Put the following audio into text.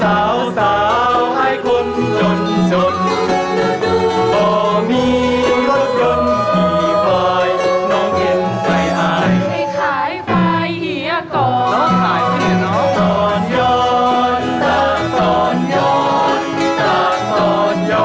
สาวสาวให้คนจนจนต่อมีรถยนต์กี่ฝ่ายน้องเย็นใจหายให้ขายฝ่ายเฮียก่อน